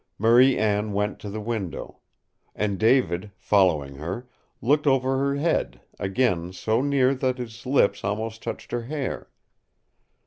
Marie Anne went to the window. And David, following her, looked over her head, again so near that his lips almost touched her hair.